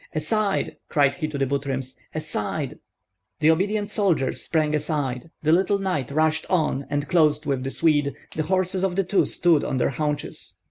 "Aside!" cried he to the Butryms, "aside!" The obedient soldiers sprang aside, the little knight rushed on and closed with the Swede, the horses of the two stood on their haunches.